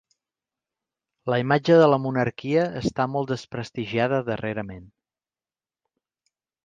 La imatge de la monarquia està molt desprestigiada darrerament.